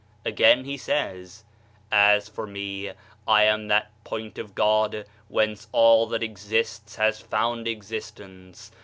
Again he says : "As for me, I am that point of God whence all that exists has found ex istence.